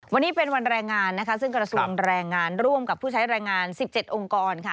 วันนี้เป็นวันแรงงานนะคะซึ่งกระทรวงแรงงานร่วมกับผู้ใช้แรงงาน๑๗องค์กรค่ะ